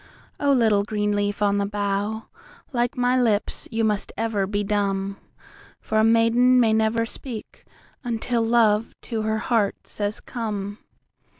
O little green leaf on the bough, like my lips you must ever be dumb, For a maiden may never speak until love to her heart says "Come."